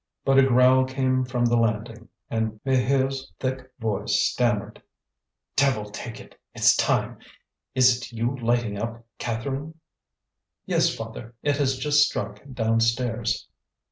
But a growl came from the landing, and Maheu's thick voice stammered; "Devil take it! It's time. Is it you lighting up, Catherine?" "Yes, father; it has just struck downstairs."